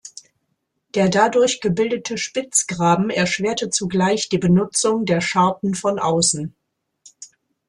Der dadurch gebildete Spitzgraben erschwerte zugleich die Benutzung der Scharten von außen.